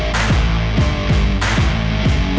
แกล้งตาย